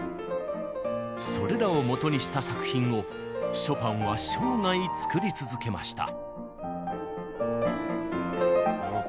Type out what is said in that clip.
それらをもとにした作品をショパンは生涯作り続けました。